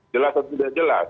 jelas atau tidak jelas